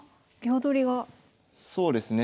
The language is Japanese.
あっそうですね。